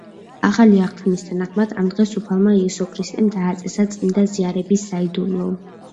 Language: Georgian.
ახალი აღთქმის თანახმად, ამ დღეს უფალმა იესო ქრისტემ დააწესა წმინდა ზიარების საიდუმლო.